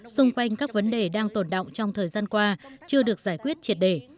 xung quanh các vấn đề đang tồn động trong thời gian qua chưa được giải quyết triệt đề